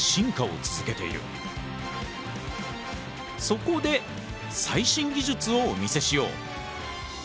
そこで最新技術をお見せしよう！